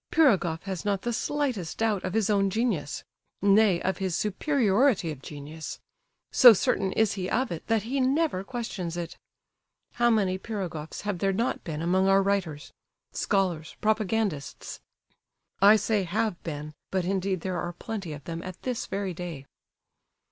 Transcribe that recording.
Pirogoff has not the slightest doubt of his own genius,—nay, of his superiority of genius,—so certain is he of it that he never questions it. How many Pirogoffs have there not been among our writers—scholars, propagandists? I say "have been," but indeed there are plenty of them at this very day.